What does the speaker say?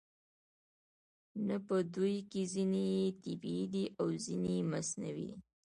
نه په دوی کې ځینې یې طبیعي دي او ځینې یې مصنوعي دي